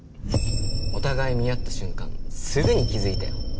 お互い見合った瞬間すぐに気づいたよ。